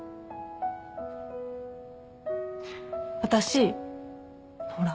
私ほら